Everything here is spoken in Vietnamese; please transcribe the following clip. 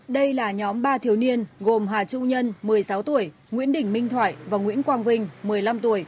đây là nhóm ba thiếu niên gồm hà trung nhân một mươi sáu tuổi nguyễn đình minh thoại và nguyễn quang vinh một mươi năm tuổi